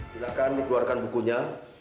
silahkan dikeluarkan bukunya